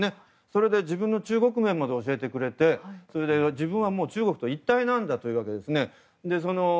そして自分の中国名まで教えてくれて自分は中国と一体だというわけです。